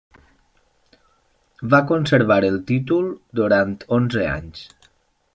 Va conservar el títol durant onze anys.